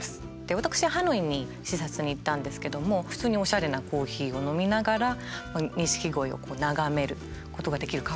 私ハノイに視察に行ったんですけども普通におしゃれなコーヒーを飲みながら錦鯉を眺めることができるカフェでした。